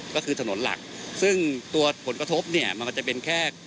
ก็คือถนนหลักซึ่งตัวผลกระทบเนี่ยมันก็จะเป็นแค่